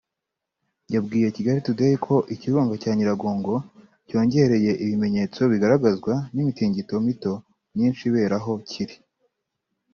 yabwiye Kigali Today ko ikirunga cya Nyiragongo cyongereye ibimenyetso bigaragazwa n’imitingito mito myinshi ibera aho kiri